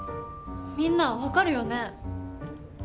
みんな分かるよね？